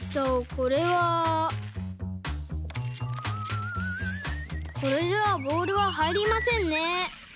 これじゃボールははいりませんね。